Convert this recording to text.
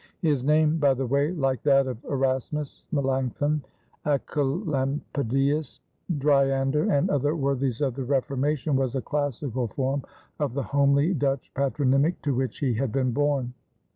His name, by the way, like that of Erasmus, Melanchthon, Æcolampadius, Dryander, and other worthies of the Reformation, was a classical form of the homely Dutch patronymic to which he had been born.